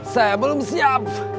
saya belum siap